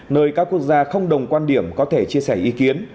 nơi các quốc gia không đồng quan điểm có thể chia sẻ ý kiến